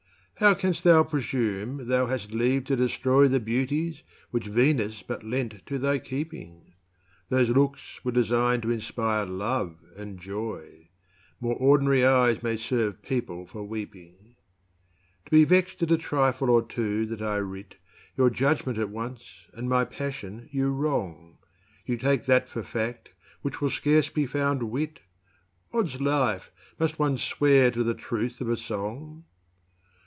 How can'st thou presume, thou hast leave to destroy The beauties, which Venus but lent to thy keeping? Those looks were design'd to inspire love and joy: More ord'nary eyes may serve people for weeping. To be vexed at a trifle or two that I writ, Your judgment at once, and my passion you wrong: You take that for fact, which will scarce be found Wit: Od's Life! must one swear to the truth of a song?